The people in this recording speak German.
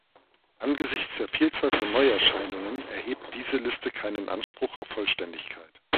Angesichts der Vielzahl von Neuerscheinungen erhebt diese Liste keinen Anspruch auf Vollständigkeit.